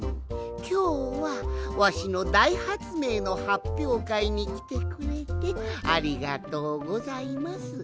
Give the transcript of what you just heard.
きょうはわしのだいはつめいのはっぴょうかいにきてくれてありがとうございます。